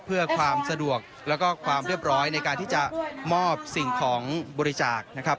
เพื่อความสะดวกแล้วก็ความเรียบร้อยในการที่จะมอบสิ่งของบริจาคนะครับ